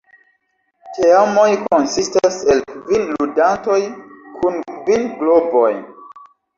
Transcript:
Teamoj konsistas el kvin ludantoj kun kvin globoj.